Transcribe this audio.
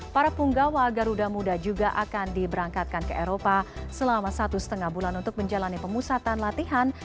para punggawa garuda muda juga akan diberangkatkan ke eropa selama satu setengah bulan untuk menjalani pemusatan latihan